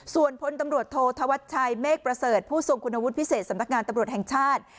ส่วนพลตำรวจโทษธวัชชัยเมฆประเสริฐผู้ทรงคุณวุฒิพิเศษสำนักงานตำรวจแห่งชาติ